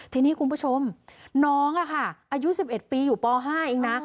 ทีนี้คุณผู้ชมน้องอายุ๑๑ปีอยู่ป๕เองนะ